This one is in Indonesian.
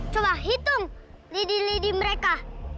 coba hitung lidi lidi mereka